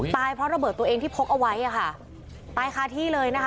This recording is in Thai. เพราะระเบิดตัวเองที่พกเอาไว้อ่ะค่ะตายคาที่เลยนะคะ